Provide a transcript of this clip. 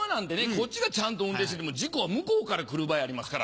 こっちがちゃんと運転してても事故は向こうから来る場合ありますから。